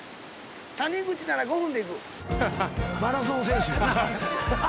「谷口なら５分でいく」